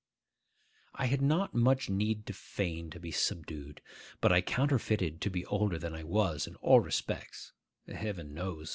I had not much need to feign to be subdued; but I counterfeited to be older than I was in all respects (Heaven knows!